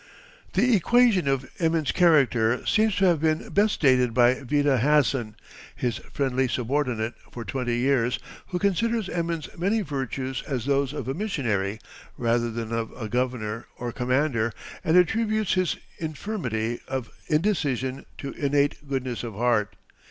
] The equation of Emin's character seems to have been best stated by Vita Hassan, his friendly subordinate for twenty years, who considers Emin's many virtues as those of a missionary rather than of a governor or commander, and attributes his infirmity of indecision to innate goodness of heart.